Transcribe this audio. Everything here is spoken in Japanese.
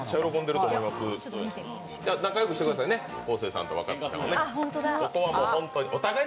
仲よくしてくださいね、昴生さんと若槻さん。